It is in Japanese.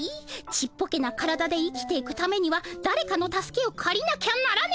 ちっぽけな体で生きていくためにはだれかの助けをかりなきゃならねえ。